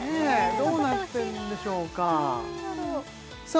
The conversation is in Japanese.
どうなってるんでしょうかさあ